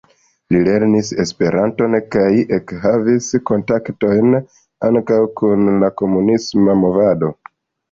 Li lernis Esperanton, kaj ekhavis kontaktojn ankaŭ kun la komunisma movado.